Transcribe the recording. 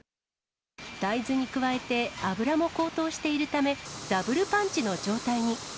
大豆に加えて、油も高騰しているため、ダブルパンチの状態に。